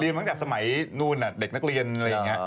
เรียนมาตั้งแต่สมัยนู่นน่ะเด็กนักเรียนอะไรอย่างนี้